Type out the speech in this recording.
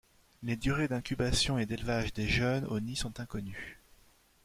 Les durées d’incubation et d’élevage des jeunes au nid sont inconnues.